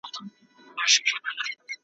یا دي شل کلونه اچوم زندان ته `